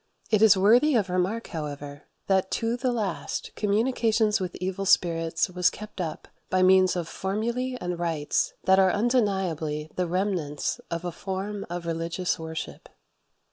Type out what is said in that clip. It is worthy of remark, however, that to the last, communication with evil spirits was kept up by means of formulae and rites that are undeniably the remnants of a form of religious worship.